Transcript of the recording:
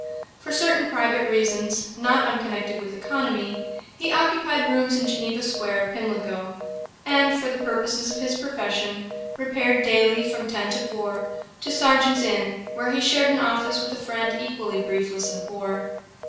For certain private reasons, not unconnected with economy, he occupied rooms in Geneva Square, Pimlico; and, for the purposes of his profession, repaired daily, from ten to four, to Serjeant's Inn, where he shared an office with a friend equally briefless and poor.